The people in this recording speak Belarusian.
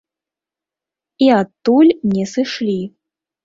І адтуль не сышлі.